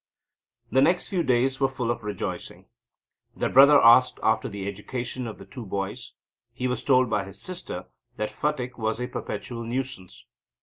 The next few days were full of rejoicing. The brother asked after the education of the two boys. He was told by his sister that Phatik was a perpetual nuisance.